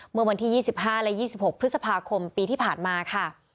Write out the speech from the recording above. เมื่อวันที่๒๕และ๒๖พฤษภาคมปีที่ผ่านมาค่ะ